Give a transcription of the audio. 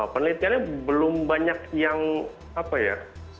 penelitiannya belum banyak yang apa ya